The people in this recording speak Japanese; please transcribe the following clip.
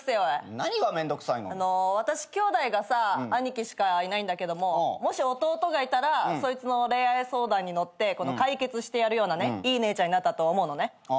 私きょうだいがさ兄貴しかいないんだけどももし弟がいたらそいつの恋愛相談に乗って解決してやるようなねいい姉ちゃんになったと思うのね。